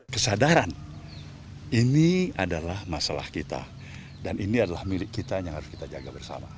kesadaran ini adalah masalah kita dan ini adalah milik kita yang harus kita jaga bersama